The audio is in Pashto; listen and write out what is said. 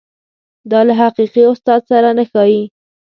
دا له حقیقي استاد سره نه ښايي.